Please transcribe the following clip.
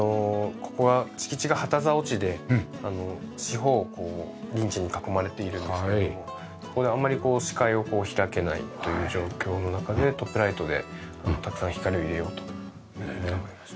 ここは敷地が旗竿地で四方をこう民地に囲まれているんですけどもそこであんまりこう視界を開けないという状況の中でトップライトでたくさん光を入れようと。